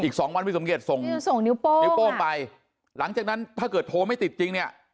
สองวันพี่สมเกียจส่งนิ้วโป้งนิ้วโป้งไปหลังจากนั้นถ้าเกิดโทรไม่ติดจริงเนี่ย